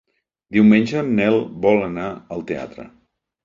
Diumenge en Nel vol anar al teatre.